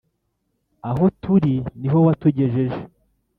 aho turi niho watugejeje,